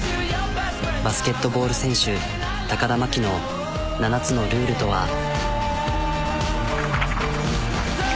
バスケットボール選手田真希の７つのルールとは。